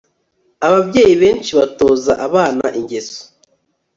Ababyeyi benshi batoza abana ingeso